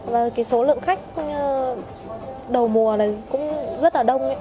và cái số lượng khách đầu mùa này cũng rất là đông